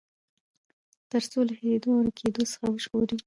تر څو له هېريدو او ورکېدو څخه وژغوري.